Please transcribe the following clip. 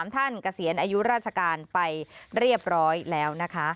ท่านเกษียณอายุราชการไปเรียบร้อยแล้วนะคะ